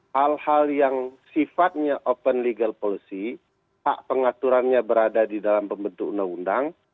hal hal yang sifatnya open legal policy hak pengaturannya berada di dalam pembentuk undang undang